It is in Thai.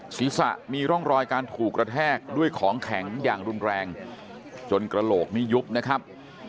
ศีรษะมีร่องรอยการถูกกระแทกด้วยของแข็งอย่างรุนแรงจนกระโหลกนี้ยุบนะครับ